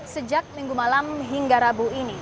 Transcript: sejak minggu malam hingga rabu ini